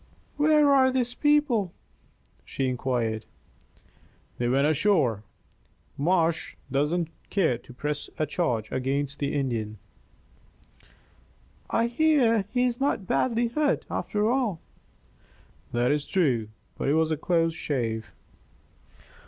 "Where are those people?" she inquired. "They went ashore. Marsh doesn't care to press a charge against the Indian." "I hear he is not badly hurt, after all." "That is true. But it was a close shave."